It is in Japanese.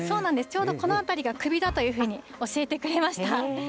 ちょうどこのあたりが首だというふうに教えてくれました。